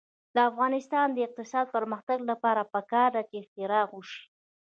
د افغانستان د اقتصادي پرمختګ لپاره پکار ده چې اختراع وشي.